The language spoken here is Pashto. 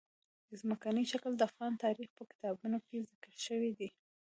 ځمکنی شکل د افغان تاریخ په کتابونو کې ذکر شوی دي.